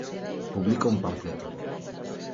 publico un panfleto